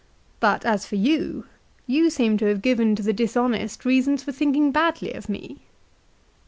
"But as for you, you seem to have given to the dishonest reasons for thinking badly of me."